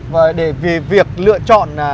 vì việc lựa chọn